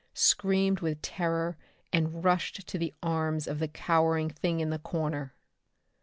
Screamed with terror and rushed to the arms of the cowering thing in the corner!